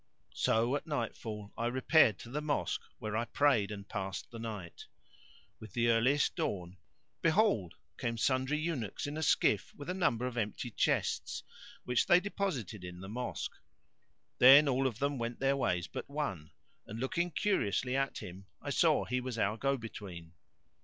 So at nightfall I repaired to the Mosque, where I prayed and passed the night. With earliest dawn, behold, came sundry eunuchs in a skiff with a number of empty chests which they deposited in the Mosque; then all of them went their ways but one, and looking curiously at him, I saw he was our go between.